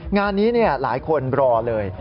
งานนี้หลายคนรอเลย